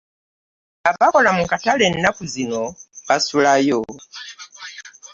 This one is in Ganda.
Abakola mu katale enakuzino basulayo.